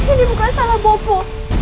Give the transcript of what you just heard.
ini bukan salah bopo